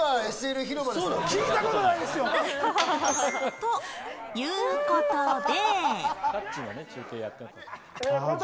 ということで。